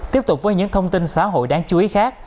tiếp tục với những thông tin xã hội đáng chú ý khác